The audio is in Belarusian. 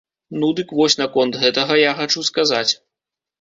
Ну дык вось наконт гэтага я хачу сказаць.